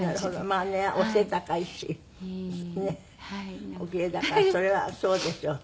まあねお背高いしねえお奇麗だからそれはそうでしょう。